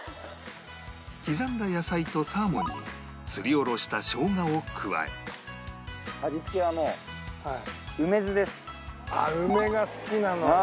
刻んだ野菜とサーモンにすりおろしたしょうがを加えあっ梅が好きなの俺は。